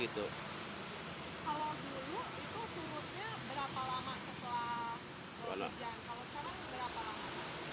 kalau dulu itu surutnya berapa lama setelah hujan kalau sekarang berapa lama